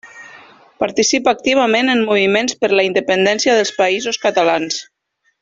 Participa activament en moviments per la independència dels Països Catalans.